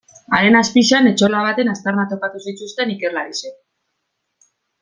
Haren azpian etxola baten aztarnak topatu zituzten ikerlariek.